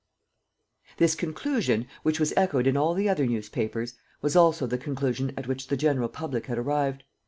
This conclusion, which was echoed in all the other newspapers, was also the conclusion at which the general public had arrived.